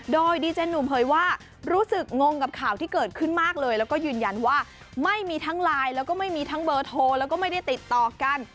โดยดีเจนุ่มเผยว่ารู้สึกงงกับข่าวที่เกิดขึ้นมากเลยแล้วก็ยืนยันว่าไม่มีทั้งไลน์แล้วก็ไม่มีทั้งเบอร์โทรแล้วก็ไม่ได้ติดต่อกัน